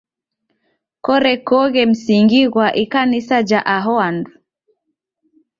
Korekoghe msingi ghwa ikanisa ja aho andu.